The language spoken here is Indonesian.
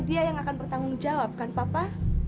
dia yang akan bertanggung jawab kan papa